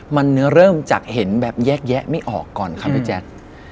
มันเริ่มจากเห็นแบบแยกแยะไม่ออกก่อนครับพี่แจ๊ค